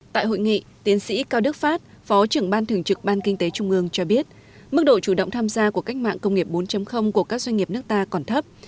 tại hội nghị tiến sĩ cao đức phát phó trưởng ban thường trực ban kinh tế trung ương cho biết mức độ chủ động tham gia của cách mạng công nghiệp bốn của các doanh nghiệp nước ta còn thấp